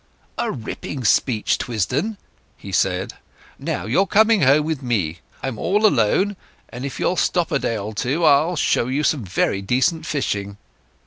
"A ripping speech, Twisdon," he said. "Now, you're coming home with me. I'm all alone, and if you'll stop a day or two I'll show you some very decent fishing."